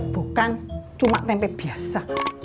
bukan cuma tempe biasa